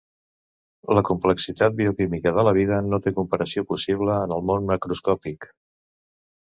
La complexitat bioquímica de la vida no té comparació possible en el món macroscòpic.